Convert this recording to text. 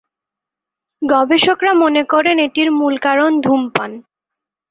গবেষকরা মনে করেন এটির মূল কারণ ধূমপান।